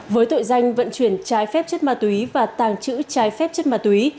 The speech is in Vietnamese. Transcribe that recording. với tội danh vận chuyển trái phép chất ma túy và tàng trữ trái phép chất ma túy